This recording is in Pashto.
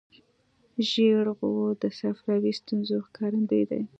ژېړ غول د صفراوي ستونزو ښکارندوی دی.